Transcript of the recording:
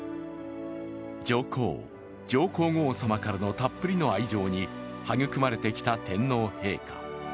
上皇・上皇后さまからのたっぷりの愛情に育まれてきた天皇陛下。